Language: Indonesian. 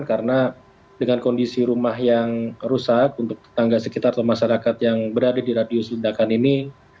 karena dengan kondisi rumah yang rusak untuk tetangga sekitar atau masyarakat yang berada di radius pendekan ini